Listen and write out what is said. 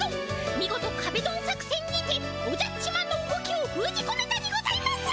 みごとかべドン作せんにておじゃっちマンの動きをふうじこめたにございます！